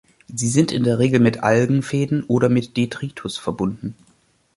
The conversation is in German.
Sie sind in der Regel mit Algenfäden oder mit Detritus verbunden.